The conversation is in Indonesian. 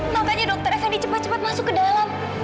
makanya dokter effendi cepat cepat masuk ke dalam